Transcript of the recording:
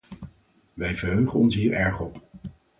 Wij verheugen ons hier erg op.